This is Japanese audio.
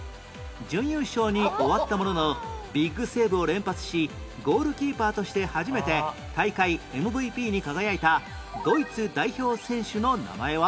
準優勝に終わったもののビッグセーブを連発しゴールキーパーとして初めて大会 ＭＶＰ に輝いたドイツ代表選手の名前は？